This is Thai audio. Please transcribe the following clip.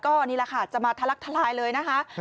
ก็นี่แหละค่ะจะมาทะลักทลายเลยนะคะ